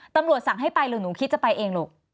ตำรวจสั่งให้ไปหรือหนูคิดจะไปเองลูก